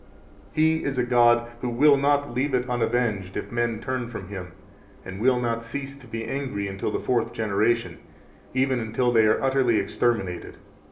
34 He is a God who will not leave it unavenged if men turn from Him, and will not cease to be angry until the fourth generation, even until they are utterly exterminated.